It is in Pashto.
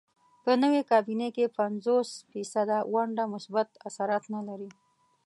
په نوې کابینې کې پنځوس فیصده ونډه مثبت اثرات نه لري.